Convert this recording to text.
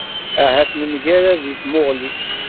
Ahat nemgarad deg tamuɣli?